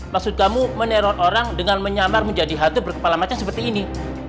maksud kamu meneror orang dengan menyamar menjadi halte berkepala macam seperti ini